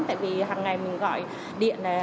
tại vì hằng ngày mình gọi điện